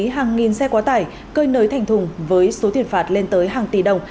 đã xử lý hàng nghìn xe quá tải cơi nới thành thùng với số thiền phạt lên tới hàng tỷ đồng